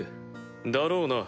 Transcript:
だろうな